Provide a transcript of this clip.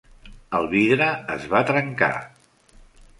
El vidre es va trencar.